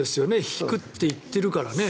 引くって言っているから。